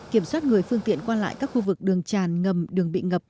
kiểm soát người phương tiện qua lại các khu vực đường tràn ngầm đường bị ngập